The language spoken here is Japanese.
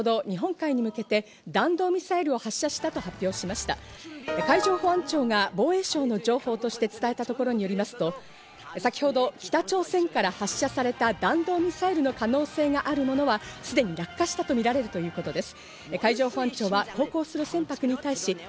海上保安庁が防衛省の情報として伝えたところによりますと、先ほど北朝鮮から発射された弾道ミサイルの可能性があるものはすでに落下したとみられるということです。